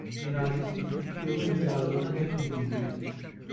Cenazesi Küçükyalı Mezarlığı'na defnedildi.